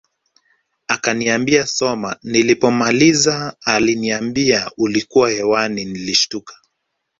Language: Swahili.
Akaniambia soma nilipomaliza aliambia ulikuwa hewani nilishtuka